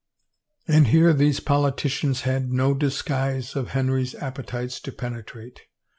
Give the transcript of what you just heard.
And here these politicians had no disguise of Henry's appetites to penetrate.